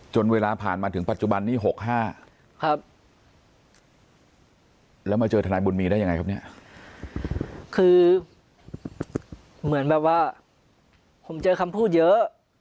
เวลาผ่านมาถึงปัจจุบันนี้๖๕ครับแล้วมาเจอทนายบุญมีได้ยังไงครับเนี่ยคือเหมือนแบบว่าผมเจอคำพูดเยอะ